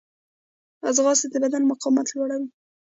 ځغاسته د بدن مقاومت لوړوي